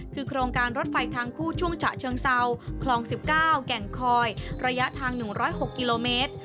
คือโครงการรถไฟทางคู่ช่วงฉะเชิงเซาคลอง๑๙แก่งคอยระยะทาง๑๐๖กิโลเมตร